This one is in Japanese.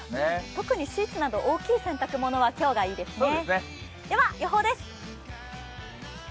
特にシーツなど大きい洗濯物は今日がいいですね。